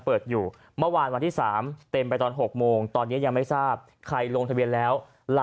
เมื่อวานตอน๖๓๐มันเต็มไปแล้ว